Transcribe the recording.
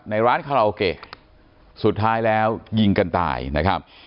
ร้านคาราโอเกะสุดท้ายแล้วยิงกันตายนะครับ